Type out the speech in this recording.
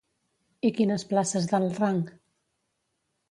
I quines places d'alt rang?